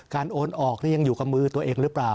โอนออกนี่ยังอยู่กับมือตัวเองหรือเปล่า